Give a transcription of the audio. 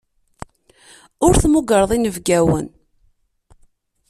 Ur temmugreḍ inebgawen.